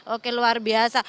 oke luar biasa